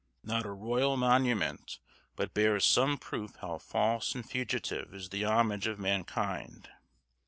Not a royal monument but bears some proof how false and fugitive is the homage of mankind.